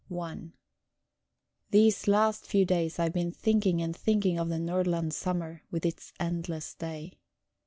PAN I These last few days I have been thinking and thinking of the Nordland summer, with its endless day.